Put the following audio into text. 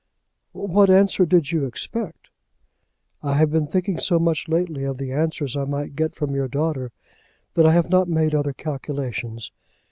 "What answer did you expect?" "I have been thinking so much lately of the answers I might get from your daughter, that I have not made other calculations.